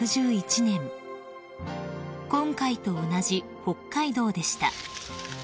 ［今回と同じ北海道でした］